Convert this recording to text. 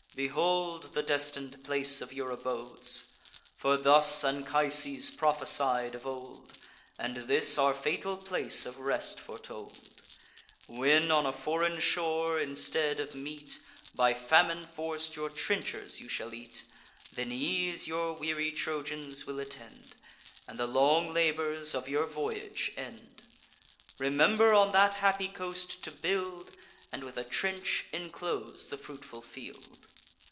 Behold the destin'd place of your abodes! For thus Anchises prophesied of old, And this our fatal place of rest foretold: 'When, on a foreign shore, instead of meat, By famine forc'd, your trenchers you shall eat, Then ease your weary Trojans will attend, And the long labours of your voyage end. Remember on that happy coast to build, And with a trench inclose the fruitful field.